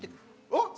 おっ？